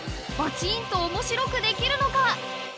［バチーンと面白くできるのか？］